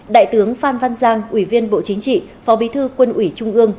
đại tướng phan văn giang ủy viên bộ chính trị phó bí thư quân ủy trung ương